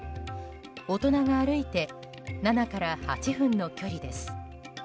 大人が歩いて７から８分の距離です。